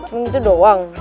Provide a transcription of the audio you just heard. cuma itu doang